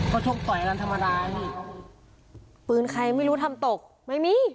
ก็ชกต่อยกันธรรมดานี่ปืนใครไม่รู้ทำตกไม่มี